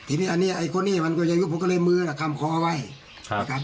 ทีนี้อันนี้ไอ้คนนี้มันก็จะยุบผมก็เลยมือคำคอไว้นะครับ